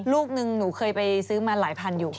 ลูกนึงหนูเคยไปซื้อมาหลายพันอยู่